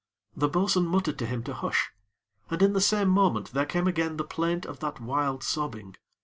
The bo'sun muttered to him to hush, and, in the same moment, there came again the plaint of that wild sobbing.